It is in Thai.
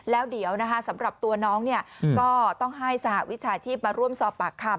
แล้วเดี๋ยวนะคะสำหรับตัวน้องเนี่ยก็ต้องให้สหวิชาชีพมาร่วมสอบปากคำ